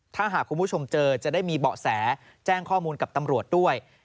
ถ้าหากคุณผู้ชมเจอจะได้มีเบาะแสแจ้งข้อมูลกับตำรวจด้วย